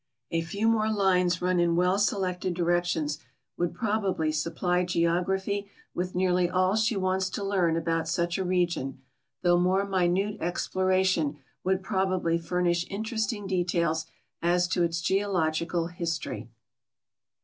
A few more lines run in well selected directions would probably supply geography with nearly all she wants to learn al»out such a region, though more minute exploration would probably hir nish interesting details as to its geological history.